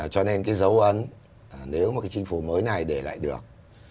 cho nên cái dấu ấn nếu mà cái chính phủ mới này để lại được